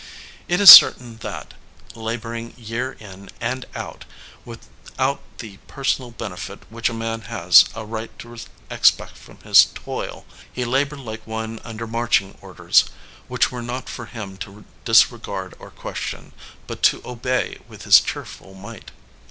It is certain that, laboring year in and out without the personal benefit which a man has a right to expect from his toil, he labored like one under marching orders, which were not for him to dis regard or question, but to obey with his cheerful might.